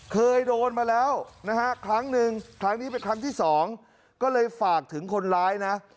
เคยโดนมาแล้วนะฮะครั้งหนึ่งครั้งนี้เป็นครั้งที่สองก็เลยฝากถึงคนร้ายนะ